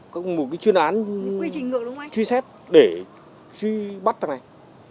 có một cái chuyên án truy xét để bắt thằng này